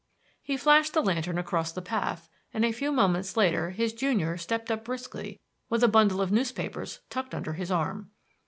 He flashed the lantern across the path, and a few moments later his junior stepped up briskly with a bundle of newspapers tucked under his arm.